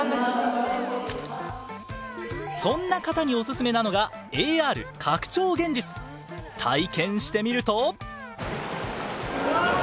そんな方にオススメなのが体験してみると。